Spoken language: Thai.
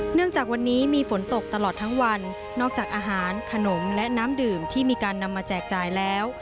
จากวันนี้มีฝนตกตลอดทั้งวันนอกจากอาหารขนมและน้ำดื่มที่มีการนำมาแจกจ่ายแล้ว